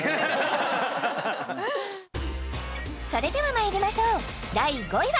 それではまいりましょう第５位は？